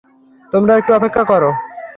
তোমরা একটু অপেক্ষা করো!